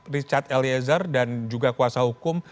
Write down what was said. richard eliezer dan juga kuasa hukum